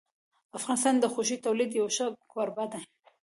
افغانستان د غوښې د تولید یو ښه کوربه دی.